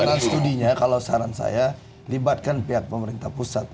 kalau saran studinya kalau saran saya libatkan pihak pemerintah pusat